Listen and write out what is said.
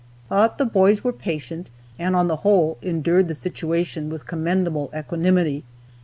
But the boys were patient, and on the whole endured the situation with commendable equanimity.